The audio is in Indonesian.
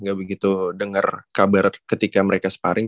nggak begitu dengar kabar ketika mereka sparring